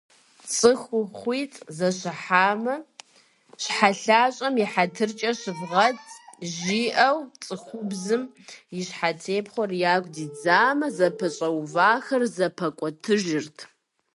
ЦӀыхухъуитӀ зэщыхьамэ «ЩхьэлъащӀэм и хьэтыркӀэ щывгъэт» жиӀэу, цӀыхубзым и щхьэтепхъуэр яку дидзамэ, зэпэщӀэувахэр зэпикӀуэтыжырт.